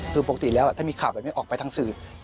คือปกติแล้วถ้ามีข่าวแบบนี้ออกไปทางสื่อทางโซเชียล